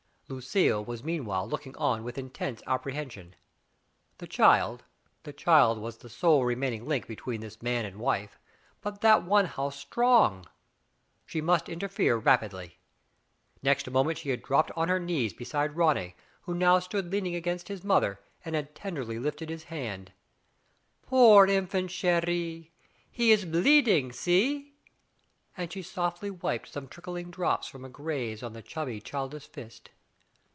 Lucille was meanwhile looking on with intense apprehension. The child — the child was the sole remaining link between this man and wife, but that one how strong! She must interfere rapidly. Next moment she had dropped on her knees beside Ronny, who now stood leaning against his mother, and had tenderly lifted his hand, *'Poor infant — chiri! He is bleeding, see!" And she softly wiped some trickling drops from a graze on the chubby, childish fist.